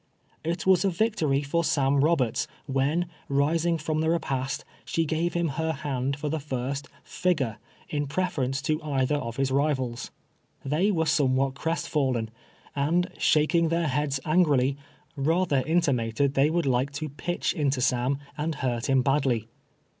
It was a victory for Sam Koberts, when, rising from the rejjast, she gave him her hand for the first " figure" in preference to either of his rivals. They were somewhat crest fallen, and, shaking their heads angrily, rather intimated they would like to pitch into Mr. Sam and hurt him badly.